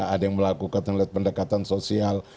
ada yang melakukan pendekatan sosial